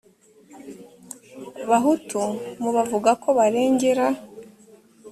bahutu mu bavuga ko barengera